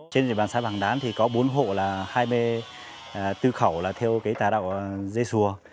trên địa bàn xã vàng đán có bốn hộ là hai mươi bốn khẩu theo tà đạo dây sùa